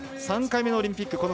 ３回目のオリンピック。